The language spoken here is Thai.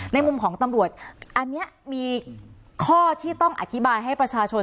ในมุมของตำรวจอันนี้มีข้อที่ต้องอธิบายให้ประชาชน